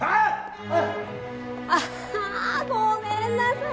ああごめんなさい！